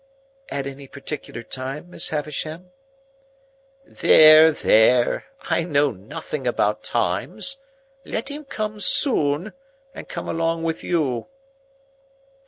"At any particular time, Miss Havisham?" "There, there! I know nothing about times. Let him come soon, and come along with you."